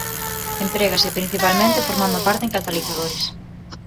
Emprégase principalmente formando parte en catalizadores.